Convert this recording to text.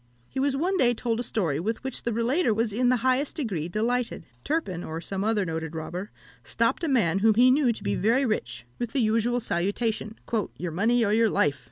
He was one day told a story with which the relator was in the highest degree delighted. Turpin, or some other noted robber, stopped a man whom he knew to be very rich, with the usual salutation "Your money or your life!"